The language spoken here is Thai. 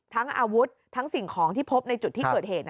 ทั้งอาวุธทั้งสิ่งของที่พบในจุดที่เกิดเหตุ